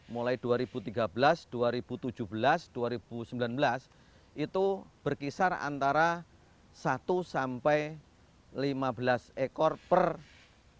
mulai dua ribu tiga belas dua ribu tujuh belas dua ribu sembilan belas itu berkisar antara satu sampai lima belas ekor per hari